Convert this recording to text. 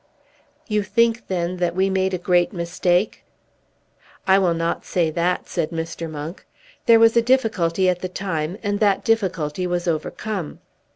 "You think, then, that we made a great mistake?" "I will not say that," said Mr. Monk. "There was a difficulty at the time, and that difficulty was overcome.